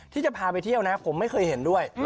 ที่จะพาไปเที่ยวนะผมไม่เคยเห็นด้วย